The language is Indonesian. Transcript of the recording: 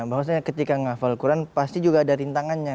bahwa saya ketika ngapal quran pasti juga ada rintangannya